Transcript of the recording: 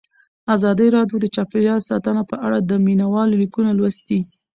ازادي راډیو د چاپیریال ساتنه په اړه د مینه والو لیکونه لوستي.